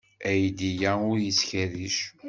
Aydi-a ur yettkerric.